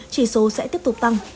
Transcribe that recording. chỉ số sẽ tiếp tục tăng